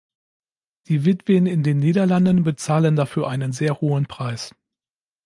Die Witwen in den Niederlanden bezahlen dafür einen sehr hohen Preis.